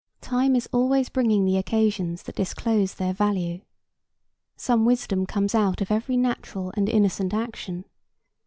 Time is always bringing the occasions that disclose their value. Some wisdom comes out of every natural and innocent action.